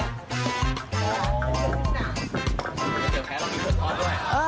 ค่าเจ๋วแพ้อะไร